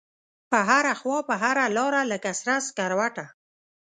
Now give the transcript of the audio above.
په هره خواپه هره لاره لکه سره سکروټه